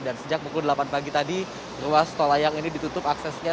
dan sejak pukul delapan pagi tadi ruas tol layang ini ditutup aksesnya